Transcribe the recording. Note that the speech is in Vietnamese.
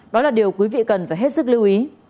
đó là điều quý vị cần phải hết sức lưu ý